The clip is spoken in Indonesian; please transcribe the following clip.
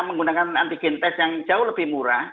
menggunakan antigen tes yang jauh lebih murah